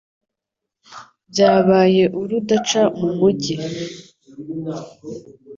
byabaye urudaca mu mugi